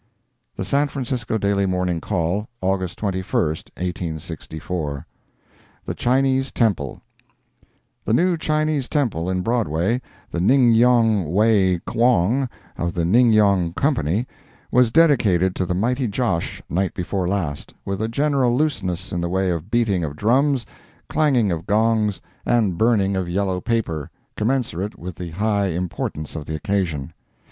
The San Francisco Daily Morning Call, August 21, 1864 THE CHINESE TEMPLE The New Chinese Temple in Broadway—the "Ning Yong Wae Quong" of the Ning Yong Company, was dedicated to the mighty Josh night before last, with a general looseness in the way of beating of drums, clanging of gongs and burning of yellow paper, commensurate with the high importance of the occasion.